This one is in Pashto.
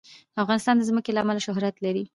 افغانستان د ځمکه له امله شهرت لري.